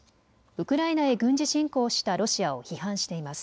ウクライナへ軍事侵攻したロシアを批判しています。